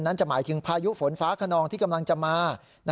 จะหมายถึงพายุฝนฟ้าขนองที่กำลังจะมา